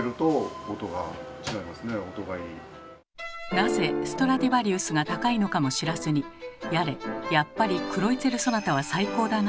なぜストラディヴァリウスが高いのかも知らずにやれ「やっぱり『クロイツェルソナタ』は最高だな」